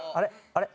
あれ？